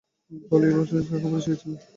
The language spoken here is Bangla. বলেস্লাও স্ক্লদভস্কিকে লেখাপড়া শিখিয়েছিলেন